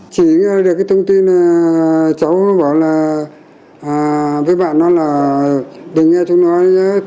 chỉ nghe được cái thông tin là cháu bảo là với bạn nó là đừng nghe chú nói